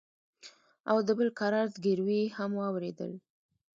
او د بل کرار زگيروي هم واورېدل.